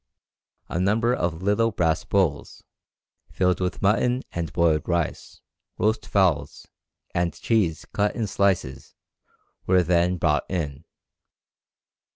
A number of little brass bowls, filled with mutton and boiled rice, roast fowls, and cheese cut in slices, were then brought in.